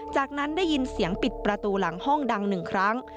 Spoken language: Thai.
จากนั้นได้ยินเสียงปิดประตูหลังห้องดัง๑ครั้ง